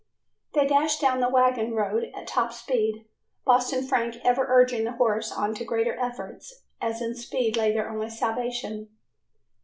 They dashed down the wagon road at top speed, Boston Frank ever urging the horse on to greater efforts, as in speed lay their only salvation.